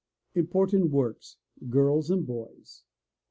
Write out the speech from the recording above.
Important Works: Girls and Boys.